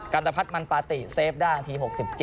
กรรมภัทรมันปาติเซฟด้านที๖๗